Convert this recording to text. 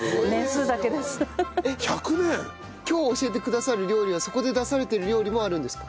今日教えてくださる料理はそこで出されてる料理もあるんですか？